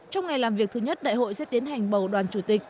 trong ngày làm việc thứ nhất đại hội sẽ tiến hành bầu đoàn chủ tịch